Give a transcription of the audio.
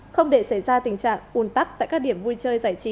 không để xảy ra tình trạng ùn tắc tại các điểm vui chơi giải trí